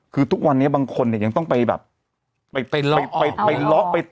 ก็วันนี้บางคนยังต้องไปแบบ